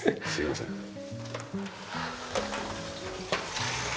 すいません。